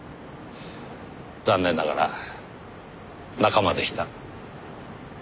残念ながら仲間でした。